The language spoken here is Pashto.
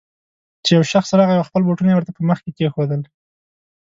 چې يو شخص راغی او خپل بوټونه يې ورته په مخ کې کېښودل.